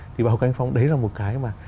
thì bảo cánh phong đấy là một cái mà